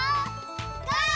ゴー！